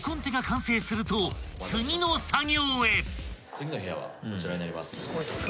次の部屋はこちらになります。